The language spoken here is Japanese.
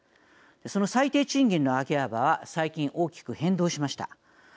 その最低賃金の上げ幅は最近、大きく変動しました。